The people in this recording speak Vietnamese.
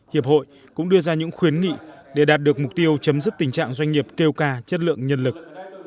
hiệp hội cũng đưa ra những khuyến nghị để đạt được mục tiêu chấm dứt tình trạng doanh nghiệp kêu ca chất lượng nhân lực